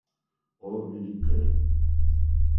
О, великая!